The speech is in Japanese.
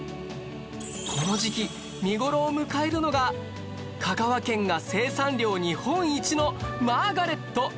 この時期見頃を迎えるのが香川県が生産量日本一のマーガレット